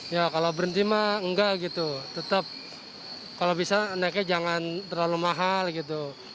ya kalau berhenti mah enggak gitu tetap kalau bisa naiknya jangan terlalu mahal gitu